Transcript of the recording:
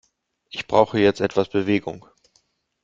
Ich brauche jetzt etwas Bewegung.